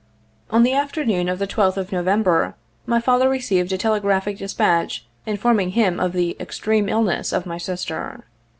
On the afternoon of the 12th of November, my father received a telegraphic despatch, informing him of the "ex treme illness" of my sister.